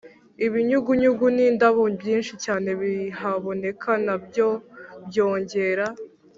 Ibinyugunyugu n indabo byinshi cyane bihaboneka na byo byongera